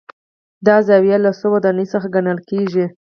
دا زاویه یو له څو ودانیو څخه ګڼل کېږي.